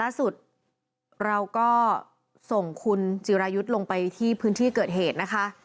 ล่าสุดเราก็ส่งคุณจิรายุทธ์ลงไปที่พื้นที่เกิดเหตุนะคะ